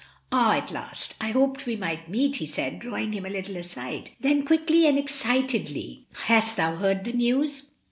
"Ah! at last I hoped we might meet," he said, drawing him a little aside. Then quickly and ex citedly, "Hast thou heard the news?